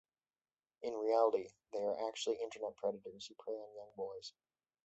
In reality, they are actually Internet predators who prey on young boys.